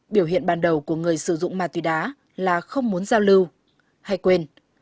biểu hiện ban đầu của người sử dụng ma túy đá là không muốn giao lưu hay quên